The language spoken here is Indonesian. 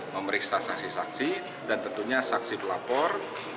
memeriksa saksi saksi dan tentunya saksi pelapor